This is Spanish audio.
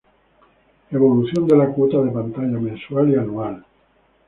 Evolución de la cuota de pantalla mensual y anual.